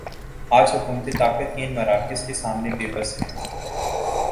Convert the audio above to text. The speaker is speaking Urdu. آج حکومتیں طاقت کے ان مراکز کے سامنے بے بس ہیں۔